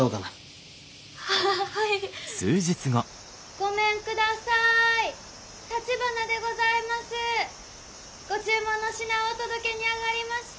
ご注文の品をお届けにあがりました。